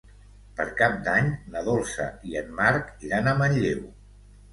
Per Cap d'Any na Dolça i en Marc iran a Manlleu.